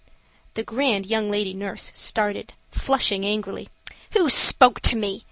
The grand young lady nurse started, flushing angrily. "Who spoke to me?